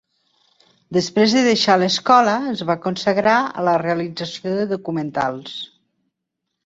Després de deixar l'escola es va consagrar a la realització de documentals.